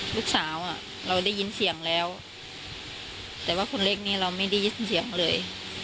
ลูกสาวอ่ะเราได้ยินเสียงแล้วแต่ว่าคนเล็กนี้เราไม่ได้ยินเสียงเลย